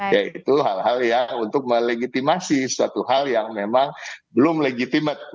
yaitu hal hal yang untuk melegitimasi suatu hal yang memang belum legitimate